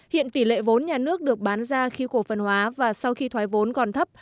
hiện tỷ lệ vốn nhà nước được bán ra khi cổ phần hóa và sau khi thoái vốn còn thấp